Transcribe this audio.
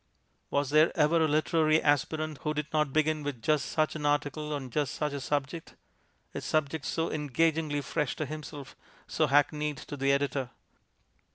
Was there ever a literary aspirant who did not begin with just such an article on just such a subject? a subject so engagingly fresh to himself, so hackneyed to the editor.